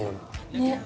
ねっ。